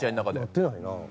なってないな。